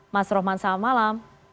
mas rohman selamat malam